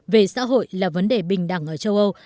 về xã hội là vấn đề bình đẳng ở châu âu